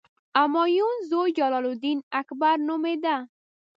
همایون زوی جلال الدین اکبر نومېده.